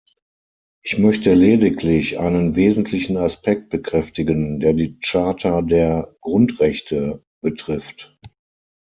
Ich möchte lediglich einen wesentlichen Aspekt bekräftigen, der die Charta der Grundrechte betrifft.